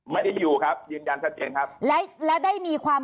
ผู้บริหารบริษัทไหมคะ